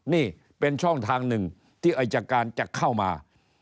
นี่เป็นช่องทางหนึ่งที่อายการจะเข้ามา